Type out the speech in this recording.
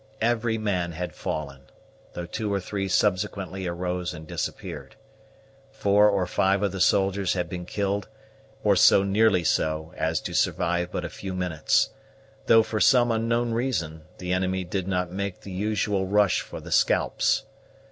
Every man had fallen, though two or three subsequently arose and disappeared. Four or five of the soldiers had been killed, or so nearly so as to survive but a few minutes; though, for some unknown reason, the enemy did not make the usual rush for the scalps.